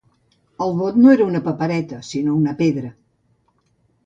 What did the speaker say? El vot no era una papereta sinó una pedra.